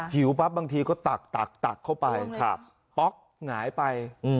หิวปั๊บบางทีก็ตักตักเข้าไปป๊อกหงายไป